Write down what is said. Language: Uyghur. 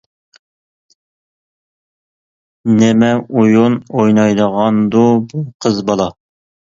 -نېمە ئويۇن ئوينايدىغاندۇ بۇ قىز بالا.